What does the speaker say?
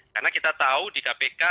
karena kita tahu di kpk